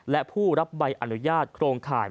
และผู้รับใบอนุญาตโครงข่าย